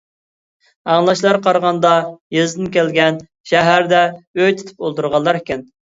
ئاڭلاشلارغا قارىغاندا يېزىدىن كەلگەن، شەھەردە ئۆي تۇتۇپ ئولتۇرغانلار ئىكەن.